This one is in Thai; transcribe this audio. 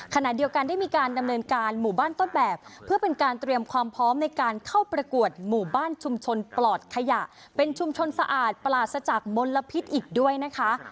ขณะเดียวกันได้มีการดำเนินการหมู่บ้านต้นแบบเพื่อเป็นการเตรียมความพร้อมในการเข้าประกวดหมู่บ้านชุมชนปลอดขยะเป็นชุมชนสะอาดปราศจากมลพิษอีกด้วยนะคะ